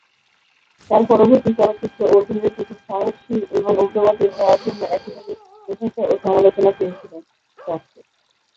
তাঁর পরবর্তী চলচ্চিত্র "অর্জুন রেড্ডি" খুব সাহসী এবং উগ্রবাদী হওয়ার জন্য একইভাবে প্রশংসা ও সমালোচনা পেয়েছিলেন।